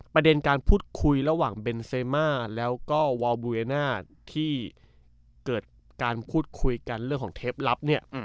ประเด็นการพูดคุยระหว่างเบนเซมาแล้วก็วอลบูเอน่าที่เกิดการพูดคุยกันเรื่องของเทปลับเนี่ย